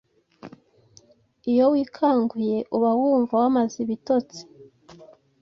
Iyo wikanguye uba wumva wamaze ibitotsi.